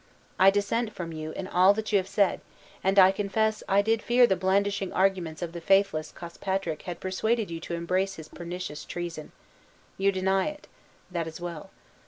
I dissent from you in all that you have said and I confess I did fear the blandishing arguments of the faithless Cospatrick had persuaded you to embrace his pernicious treason. You deny it that is well.